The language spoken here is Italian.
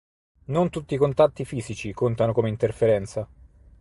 Non tutti i contatti fisici contano come interferenza.